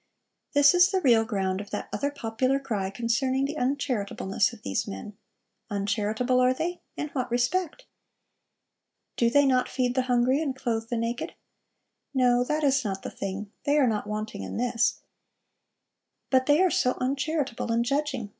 This is the real ground of that other popular cry concerning 'the uncharitableness of these men.' Uncharitable, are they? In what respect? Do they not feed the hungry and clothe the naked? 'No; that is not the thing: they are not wanting in this: but they are so uncharitable in judging!